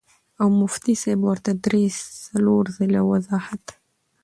او مفتي صېب ورته درې څلور ځله وضاحت